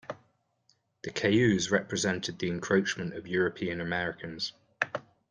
The Cayuse resented the encroachment of European Americans.